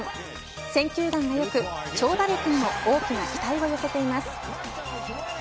選球眼がよく長打力にも多くの期待を寄せています。